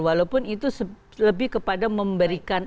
walaupun itu lebih kepada memberikan